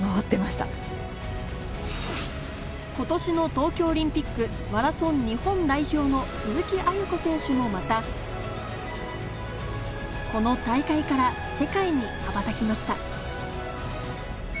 今年の東京オリンピックマラソン日本代表の鈴木亜由子選手もまたこの大会から世界に羽ばたきました